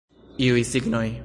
Iuj signoj?